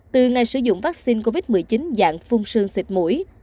từ ngày sử dụng vaccine covid một mươi chín dạng phun sương xịt mũi